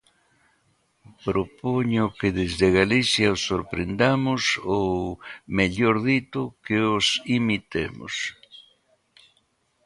Propoño que desde Galicia os sorprendamos, ou, mellor dito, que os imitemos.